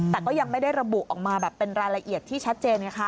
แต่ก็ยังไม่ได้ระบุออกมาแบบเป็นรายละเอียดที่ชัดเจนไงคะ